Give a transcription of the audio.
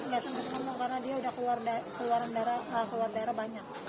gak sempat ngomong karena dia udah keluar daerah banyak